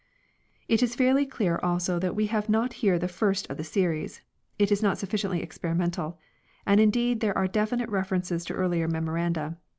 It is fairly clear also that we have not here the first of the series it is not sufficiently experimental ; and indeed there are definite references to earlier Memoranda.